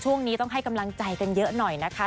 ช่วงนี้ต้องให้กำลังใจกันเยอะหน่อยนะคะ